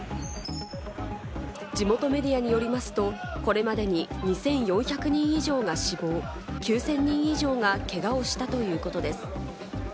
地元メディアによりますと、これまでに２４００人以上が死亡、９０００人以上がけがをしたということです。